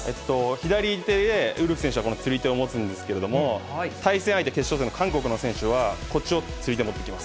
左手で、ウルフ選手はつり手を持つんですけれども、対戦相手、決勝戦の韓国の選手は、こっちをつり手持ってきます。